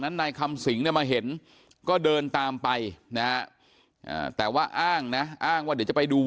นายคำสิงเนี่ยมาเห็นก็เดินตามไปนะแต่ว่าอ้างนะอ้างว่าเดี๋ยวจะไปดู